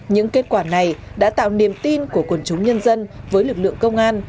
những kết quả này đã tạo niềm tin của quần chúng nhân dân với lực lượng công an